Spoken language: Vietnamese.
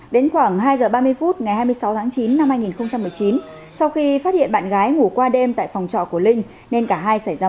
đến khoảng hai giờ ba mươi phút ngày hai mươi sáu tháng chín năm hai nghìn một mươi chín sau khi phát hiện bạn gái ngủ qua đêm tại phòng trọ của linh nên cả hai xảy ra mâu thuẫn